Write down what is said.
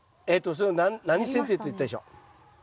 それを何剪定と言ったでしょう？